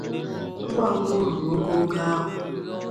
Ngwangwa o ruru ogoogo ahụ